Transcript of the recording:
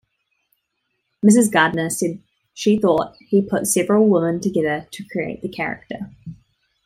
Mrs. Gardner said she thought he put several women together to create the character.